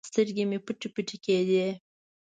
سترګې مې پټې پټې کېدې.